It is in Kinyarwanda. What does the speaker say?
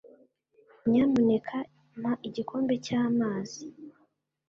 Nyamuneka mpa igikombe cy'amazi.